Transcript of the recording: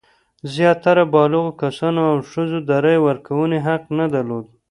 زیاتره بالغو کسانو او ښځو د رایې ورکونې حق نه درلود.